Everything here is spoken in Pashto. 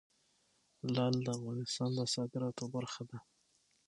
لعل د افغانستان د صادراتو برخه ده.